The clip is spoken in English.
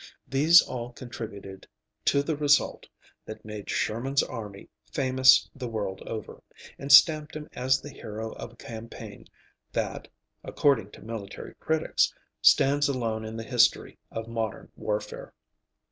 These all contributed to the result that made "Sherman's army" famous the world over, and stamped him as the hero of a campaign that, according to military critics, "stands alone in the history of modern warfare."